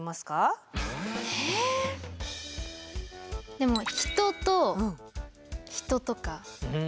でも人と人とか。